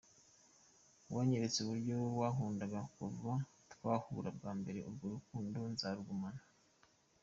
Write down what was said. Wanyeretse uburyo wankundaga kuva twahura bwa mbere, urwo rukundo nzarugumana.